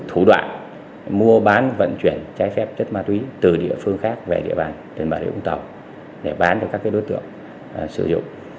thủ đoạn mua bán vận chuyển trái phép chất ma túy từ địa phương khác về địa bàn tp hcm để bán cho các đối tượng sử dụng